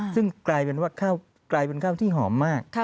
ซึ่งกลายเป็นว่าข้าวที่หอมมาก